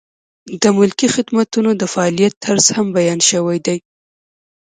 د ملکي خدمتونو د فعالیت طرز هم بیان شوی دی.